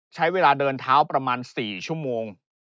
ใช้เวลาเดินเท้าประมาณ๔ชั่วโมง